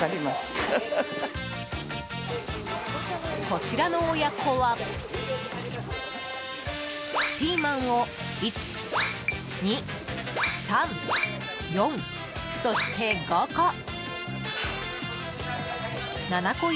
こちらの親子は、ピーマンを１、２、３、４、そして５個。